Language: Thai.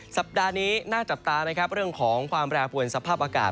สัปดาห์นี้หน้าจับตาเรื่องของความแปลภูมิสภาพอากาศ